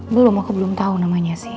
belum aku belum tahu namanya sih